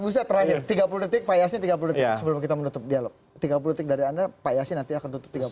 tiga puluh detik payasnya tiga puluh ya sebelum kita menutup dialog tiga puluh dari anda payasnya nanti akan tutup